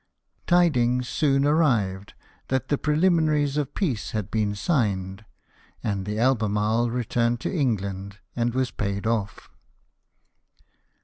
Tidings soon arrived that the preliminaries of peace had been signed ; and the Albemarle returned to England, and was paid off.